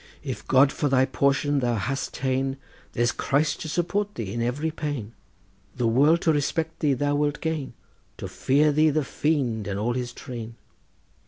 If God for thy portion thou hast ta'en There's Christ to support thee in every pain, The world to respect thee thou wilt gain, To fear the fiend and all his train.